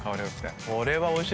これはおいしいですね。